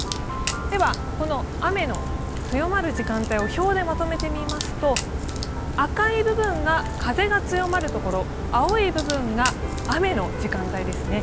ではこの雨の強まる時間帯を表でまとめてみますと、赤い部分が風が強まる所、青い部分が雨の時間帯ですね。